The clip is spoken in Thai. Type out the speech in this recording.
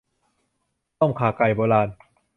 ต้มข่าไก่โบราณ